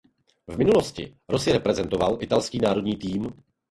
V minulosti Rossi reprezentoval italský národní tým.